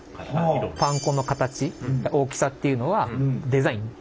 パン粉の形大きさっていうのはデザイン。